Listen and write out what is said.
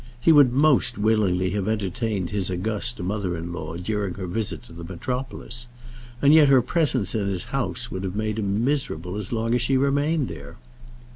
He would most willingly have entertained his august mother in law during her visit to the metropolis, and yet her presence in his house would have made him miserable as long as she remained there.